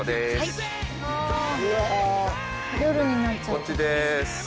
こっちです。